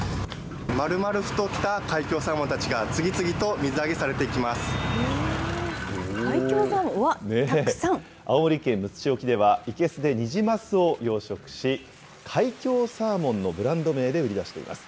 まるまる太った海峡サーモンたち青森県むつ市沖では、生けすでニジマスを養殖し、海峡サーモンのブランド名で売り出しています。